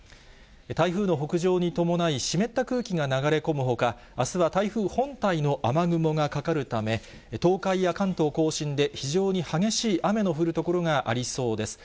台風の北上に伴い、湿った空気が流れ込むほか、あすは台風本体の雨雲がかかるため、東海や関東甲信で非常に激しい雨の降る所がありそうです。